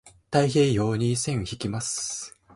太平洋に線引きます。